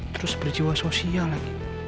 terus berjiwa sosial lagi